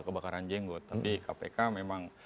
kebakaran jenggot tapi kpk memang